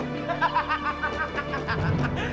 di sini ruangannya